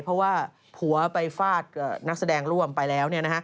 เพราะว่าผัวไปฟาดกับนักแสดงร่วมไปแล้ว